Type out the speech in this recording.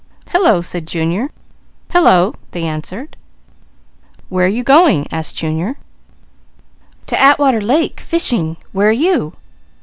"Hello!" said Junior. "Hello!" answered they. "Where're you going?" asked Junior. "To Atwater Lake, fishing. Where you?"